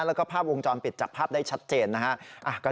แล้วก็ภาพวงจรปิดจับภาพได้ชัดเจนนะครับ